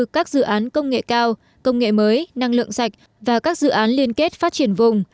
các dự án công nghệ cao công nghệ mới năng lượng sạch và các dự án liên kết phát triển vùng